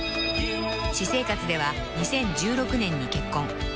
［私生活では２０１６年に結婚］